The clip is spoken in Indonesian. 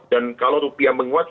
dan kalau rupiah menguat